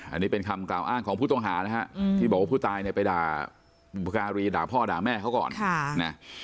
อันนี้เป็นคำกล่าวอ้างของผู้ต้องหานะฮะที่บอกว่าผู้ตายเนี่ยไปด่าบุพการีด่าพ่อด่าแม่เขาก่อนนะ